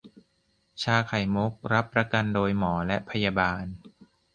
ชาไข่มุก รับประกันโดยหมอและพยาบาล